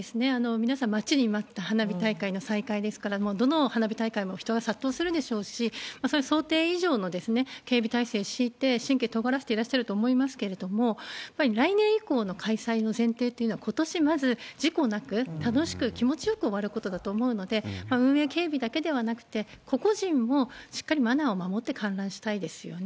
皆さん、待ちに待った花火大会の再開ですから、もうどの花火大会も人が殺到するでしょうし、想定以上の警備態勢敷いて、神経とがらせていらっしゃると思いますけれども、やはり来年以降の開催の前提というのは、ことし、まず事故なく、楽しく気持ちよく終わることだと思うので、運営警備だけではなくて、個々人もしっかりマナーを守って観覧したいですよね。